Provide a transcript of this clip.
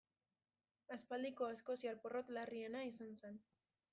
Aspaldiko eskoziar porrot larriena izan zen.